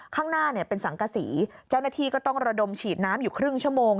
ข้างหน้าเนี่ยเป็นสังกษีเจ้าหน้าที่ก็ต้องระดมฉีดน้ำอยู่ครึ่งชั่วโมง